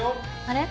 あれ？